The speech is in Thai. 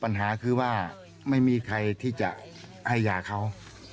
ปัญหาคือว่าไม่มีใครที่จะให้ยาเขา